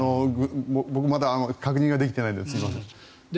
僕はまだ確認できていないので。